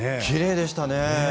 きれいでしたね。